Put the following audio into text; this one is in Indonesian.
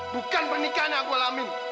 bukan pernikahan yang aku alami